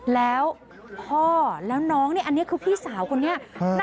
แล้วพ่อแล้วน้องนี่อันนี้คือพี่สาวคนนี้